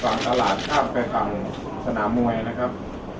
สะพานอบจฝั่งตลาดข้ามไปฝั่งสนามมวยนะครับ